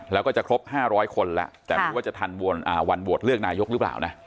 แล้วก็จะครบ๕๐๐คนแล้วแต่ไม่รู้ว่าจะทันวันโหวตเลือกนายกหรือเปล่านะ